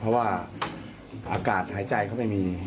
เพราะว่าอากาศหายใจเขาไม่มี